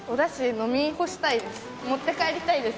飲み干したいです。